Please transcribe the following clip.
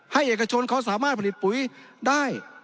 เอกชนเขาสามารถผลิตปุ๋ยได้